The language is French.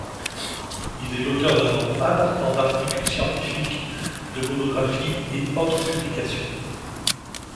Il est l'auteur d'un nombre important d'articles scientifiques, de monographies et autres publications.